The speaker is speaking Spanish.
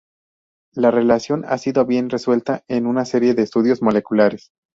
La relación ha sido bien resuelta en una serie de estudios moleculares.